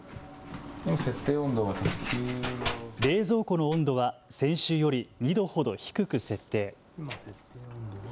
冷蔵庫の温度は先週より２度ほど低く設定。